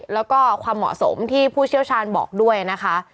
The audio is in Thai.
แล้วก็ความเหมาะสมที่ผู้เชี่ยวชาญบอกด้วยนะคะ